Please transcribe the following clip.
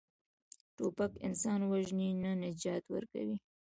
توپک انسان وژني، نه نجات ورکوي.